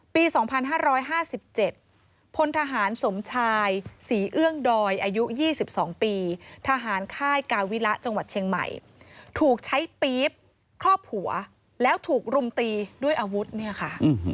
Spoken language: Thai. ปี๒๕๕๗พลทหารสมชายศรีเอื้องดอยอายุ๒๒ปีทหารค่ายกาวิระจังหวัดเชียงใหม่ถูกใช้ปี๊บครอบหัวแล้วถูกรุมตีด้วยอาวุธเนี่ยค่ะ